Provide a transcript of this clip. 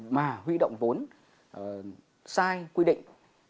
mà huy động vốn sai quy định